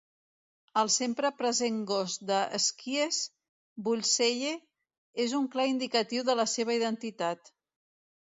El sempre present gos de Skies, Bullseye, és un clar indicatiu de la seva identitat.